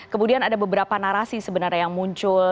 kemudian ada beberapa narasi sebenarnya yang muncul